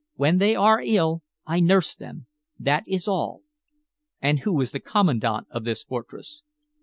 When they are ill I nurse them; that is all." "And who is the commandant of this fortress?"